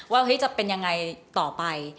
ว่าจะเป็นยังไงต่อไป